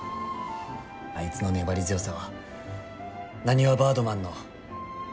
あいつの粘り強さはなにわバードマンの大事な武器です。